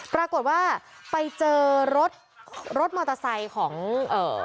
ปรากฏว่าไปเจอรถรถมอเตอร์ไซค์ของเอ่อ